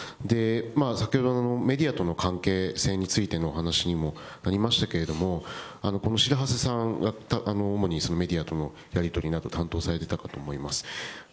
先ほどのメディアとの関係性についてのお話にもありましたけれども、この白波瀬さん、主にメディアとのやり取りなど担当されていたかと思います。